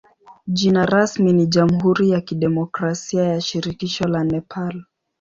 Jina rasmi ni jamhuri ya kidemokrasia ya shirikisho la Nepal.